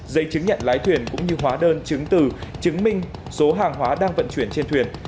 giấy chứng nhận lái thuyền cũng như hóa đơn chứng từ chứng minh số hàng hóa đang vận chuyển trên thuyền